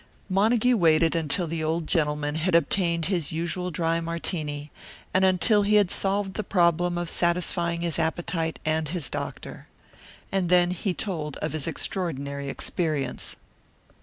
Montague waited until the old gentleman had obtained his usual dry Martini, and until he had solved the problem of satisfying his appetite and his doctor. And then he told of his extraordinary experience.